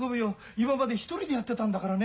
今まで一人でやってたんだからね。